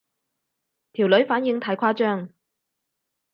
條女反應太誇張